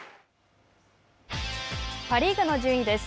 パ・リーグの順位です。